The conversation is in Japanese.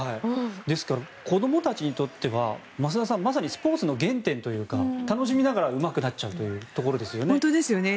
ですから子どもたちにとってはまさにスポーツの原点というか楽しみながらうまくなっちゃうというところですよね。